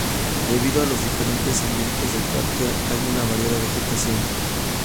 Debido a los diferentes ambientes del parque hay una variada vegetación.